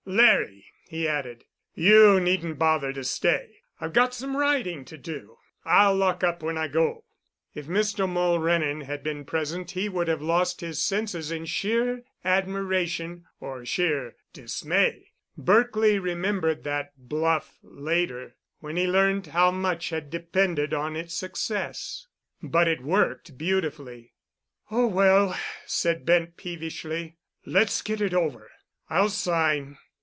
"Larry," he added, "you needn't bother to stay, I've got some writing to do. I'll lock up when I go." If Mr. Mulrennan had been present he would have lost his senses in sheer admiration or sheer dismay. Berkely remembered that "bluff" later, when he learned how much had depended on its success. But it worked beautifully. "Oh, well," said Bent peevishly, "let's get it over. I'll sign.